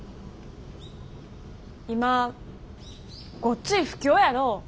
今ごっつい不況やろ。